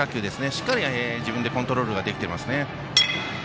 しっかり自分でコントロールができてますね。